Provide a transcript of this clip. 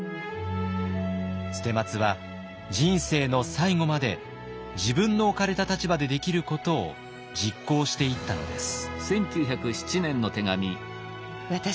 捨松は人生の最後まで自分の置かれた立場でできることを実行していったのです。